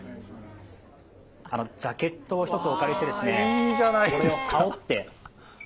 ジャケットを１つお借りしてこれを羽織って。